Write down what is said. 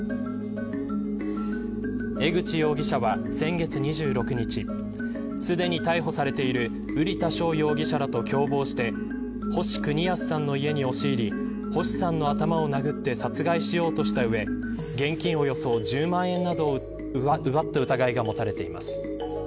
江口容疑者は先月２６日すでに逮捕されている瓜田翔容疑者らと共謀して星邦康さんの家に押し入り星さんの頭を殴って殺害しようとした上現金およそ１０万円などを奪った疑いが持たれています。